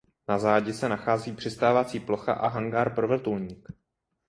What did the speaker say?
Na zádi se nachází přistávací plocha a hangár pro vrtulník.